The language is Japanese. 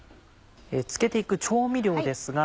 漬けて行く調味料ですが。